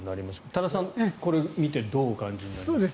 多田さんこれを見てどうお感じになりますか。